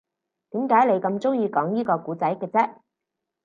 點解你咁鍾意講依個故仔嘅啫